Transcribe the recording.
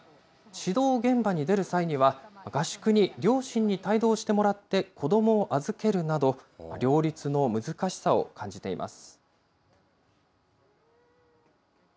指導現場に出る際には、合宿に両親に帯同してもらって子どもを預けるなど、両立の難しさを感じています。